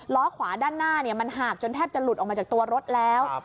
ขวาด้านหน้ามันหากจนแทบจะหลุดออกมาจากตัวรถแล้ว